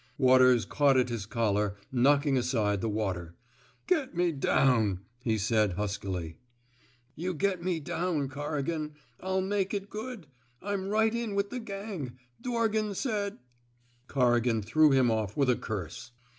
Waters caught at his collar, knocking aside the water. Get me down, he said, huskily. You get me down, Corrigan. 1*11 make it good. I*m right in with the gang. Dorgan said —Corrigan threw him off with a curse.